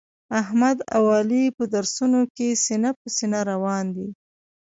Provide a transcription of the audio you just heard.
احمد او علي په درسونو کې سینه په سینه روان دي.